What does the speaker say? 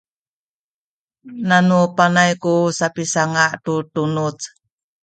nanu panay ku sapisanga’ tu tunuz